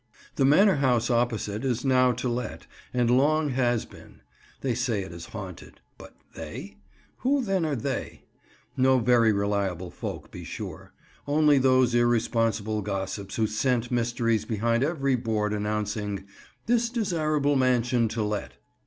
The manor house opposite is now to let, and long has been. They say it is haunted—but "they"? Who then are they? No very reliable folk, be sure: only those irresponsible gossips who scent mysteries behind every board announcing "This Desirable Mansion to Let."